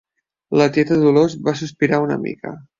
La tieta Dolors va sospirar una mica.